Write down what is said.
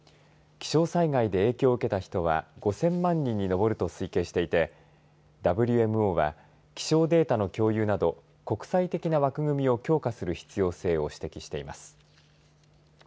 気象災害で影響を受けた人は５０００万人に上ると推計していてＷＭＯは気象データの共有など国際的な枠組みを強化する必要性を指摘しています。